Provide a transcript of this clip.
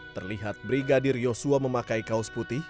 terlihat brigadir yosua memakai kaos putih